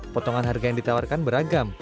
potongan harga yang ditawarkan beragam